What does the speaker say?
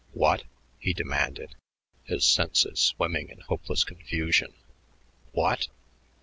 "What?" he demanded, his senses swimming in hopeless confusion. "What?"